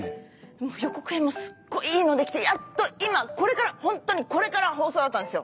予告編もすっごいいいの出来てやっと今これからホントにこれから放送だったんですよ！